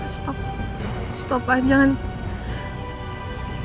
stop stop ah jangan